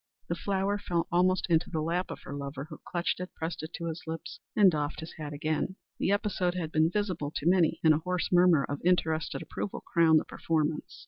The flower fell almost into the lap of her lover, who clutched it, pressed it to his lips, and doffed his hat again. The episode had been visible to many, and a hoarse murmur of interested approval crowned the performance.